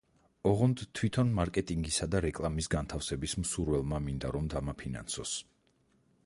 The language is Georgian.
ოღონდ თვითონ მარკეტინგისა და რეკლამის განთავსების მსურველმა მინდა რომ დამაფინანსოს.